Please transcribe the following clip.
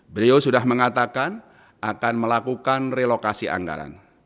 beliau sudah mengatakan akan melakukan relokasi anggaran